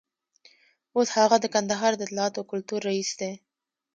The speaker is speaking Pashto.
اوس هغه د کندهار د اطلاعاتو او کلتور رییس دی.